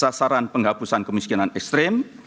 sasaran penghapusan kemiskinan ekstrim